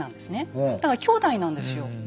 だから兄弟なんですよ。